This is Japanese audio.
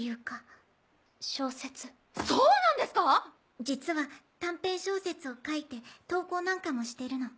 そうなんですか⁉実は短編小説を書いて投稿なんかもしてるの。